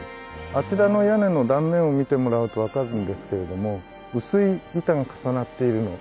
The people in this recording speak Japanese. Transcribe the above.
あちらの屋根の断面を見てもらうと分かるんですけれども薄い板が重なっているの見えますでしょうか？